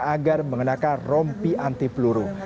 agar mengenakan rompi anti peluru